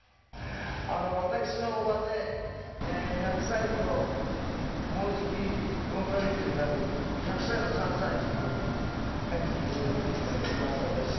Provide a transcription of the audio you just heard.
「私の叔母で１００歳ともうじき４カ月になる１００歳の３歳児という噂です」